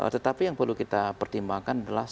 tetapi yang perlu kita pertimbangkan adalah